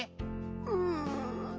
うん。